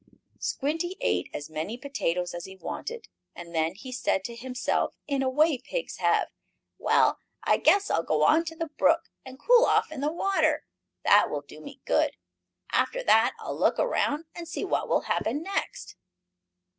Squinty ate as many potatoes as he wanted, and then he said to himself, in a way pigs have: "Well, I guess I'll go on to the brook, and cool off in the water. That will do me good. After that I'll look around and see what will happen next."